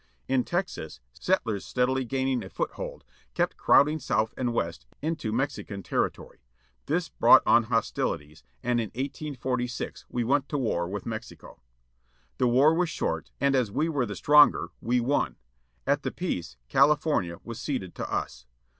In Texas settlers steadily gaining a footing, kept crowding South and West into Mexican territory. This brought on hostilities, and in 1846 we went to war with Mexico. The war was short, and as we were the stronger we won. At the peace Cali fornia was ceded to us.